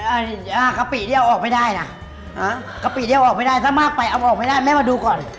อ้าวนี่ยากะปิเนี่ยเอาออกไม่ได้นะห้ะกะปิเนี่ยเอาออกไม่ได้ถ้ามากไปเอาออกไม่ได้แม่มาดูก่อน